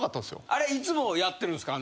あれいつもやってるんですか？